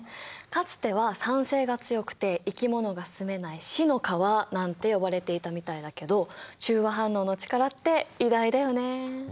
かつては酸性が強くて生き物が住めない死の川なんて呼ばれていたみたいだけど中和反応の力って偉大だよね。